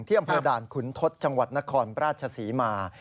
เที่ยวอำพลดาลขุนทศจังหวัดนครประชาษีมา